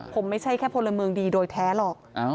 ผมไม่ใช่แค่พลเมืองดีโดยแท้หรอก